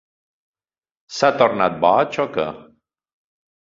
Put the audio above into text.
S'ha tornat boig o què?